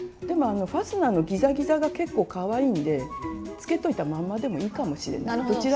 でもファスナーのギザギザが結構かわいいんでつけといたまんまでもいいかもしれない。